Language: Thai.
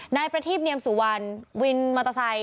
นายประทีปเนียมสุวรรณวินมัตตาไซค์